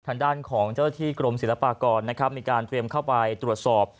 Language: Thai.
ทางด้านของเจ้าที่กรมศิลปากรนะครับมีการเตรียมเข้าไปตรวจสอบ